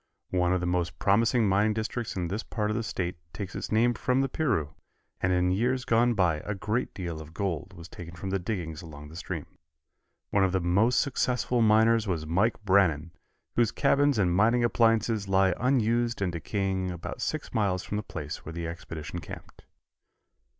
One of the most promising mining districts in this part of the State takes its name from the Piru, and in years gone by a great deal of gold was taken from the diggings along the stream. One of the most successful miners was Mike Brannan, whose cabins and mining appliances lie unused and decaying about six miles from the place where the expedition camped.